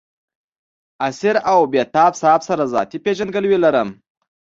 اسیر او بېتاب صاحب سره ذاتي پېژندګلوي لرم.